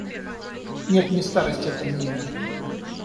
Нет, не старость этому имя!